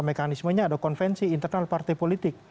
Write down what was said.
mekanismenya ada konvensi internal partai politik